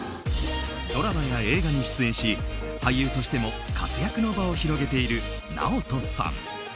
ドラマや映画に出演し俳優としても活躍の場を広げているＮＡＯＴＯさん。